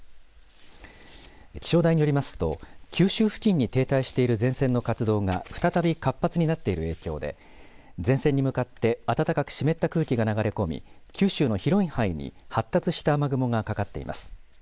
気象台によりますと九州付近に停滞している前線の活動が再び活発になっている影響で前線に向かって暖かく湿った空気が流れ込み九州の広い範囲に発達した雨雲がかかっています。